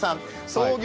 創業